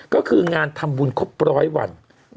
ก็คืองานทำบุญครบร้อยวัน